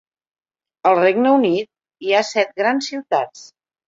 Al Regne Unit hi ha set grans ciutats.